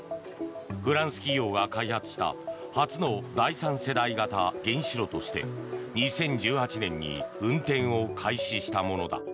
フランス企業が開発した初の第三世代型原子炉として２０１８年に運転を開始したものだ。